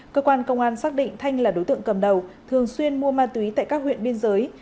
cơ quan công an xác định thanh là đối tượng cầm đầu thường xuyên mua ma túy tại các huyện biên giới